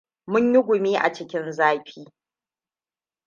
Mun yi gumi a cikin zafi.